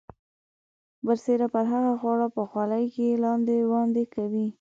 برسیره پر هغه خواړه په خولې کې لاندې باندې کوي.